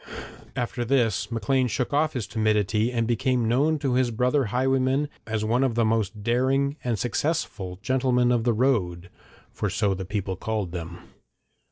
After this Maclean shook off his timidity, and became known to his brother highwaymen as one of the most daring and successful 'gentlemen of the road,' for so the people called them.